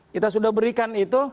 kita sudah berikan itu